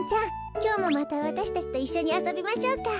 きょうもまたわたしたちといっしょにあそびましょうか。